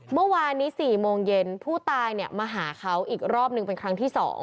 เมื่อวานนี้๔โมงเย็นผู้ตายมาหาเขาอีกรอบหนึ่งเป็นครั้งที่๒